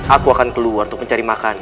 aku akan keluar untuk mencari makan